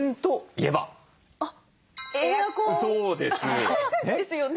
そうです。ですよね。